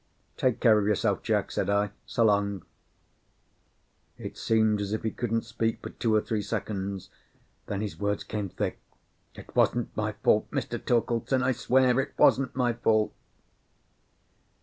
"Take care of yourself, Jack," said I. "So long!" It seemed as if he couldn't speak for two or three seconds; then his words came thick. "It wasn't my fault, Mr. Torkeldsen. I swear it wasn't my fault!"